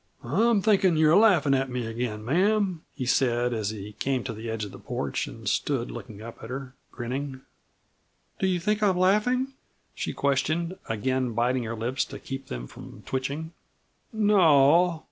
"I'm thinkin' you are laughin' at me again, ma'am," he said as he came to the edge of the porch and stood looking up at her, grinning. "Do you think I am laughing?" she questioned, again biting her lips to keep them from twitching. "No o.